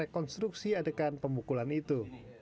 rekonstruksi adegan pemukulan itu